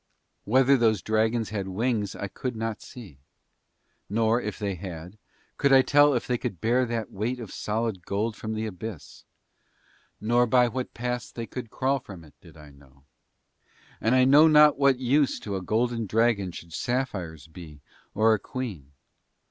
Whether those dragons had wings I could not see; nor, if they had, could I tell if they could bear that weight of solid gold from the abyss; nor by what paths they could crawl from it did I know. And I know not what use to a golden dragon should sapphires be or a queen.